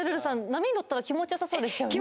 波に乗ったら気持ちよさそうでしたよね？